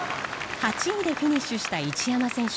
８位でフィニッシュした一山選手。